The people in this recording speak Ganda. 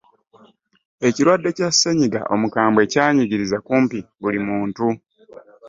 Ekirwadde ki kyasenyiga omukambwe kyanyigirizzakumpi buli muntu.